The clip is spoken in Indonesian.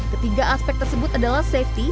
ketiga aspek tersebut adalah safety